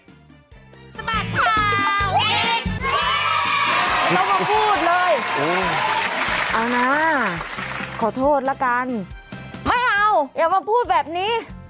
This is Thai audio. ไม่ต้องมาพูดเลยเอานะขอโทษละกันไม่เอาอย่ามาพูดแบบนี้